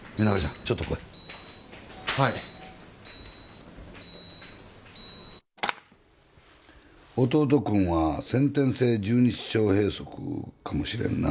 ちょっと来いはい弟君は先天性十二指腸閉塞かもしれんな